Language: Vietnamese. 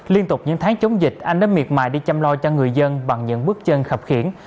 liên tục những tháng chống dịch anh đã miệt mài đi chăm lo cho người dân bằng những bước chân khập khiển